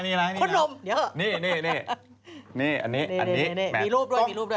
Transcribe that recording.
นี่อันนี้อันนี้มีรูปด้วย